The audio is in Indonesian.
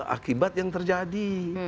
akibat yang terjadi